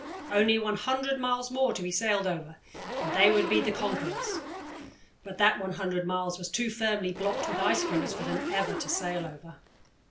Only 100 miles more to be sailed over and they would be the conquerors but that 100 miles was too firmly blocked with ice floes for them ever to sail over.